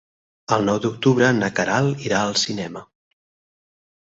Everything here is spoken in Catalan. El nou d'octubre na Queralt irà al cinema.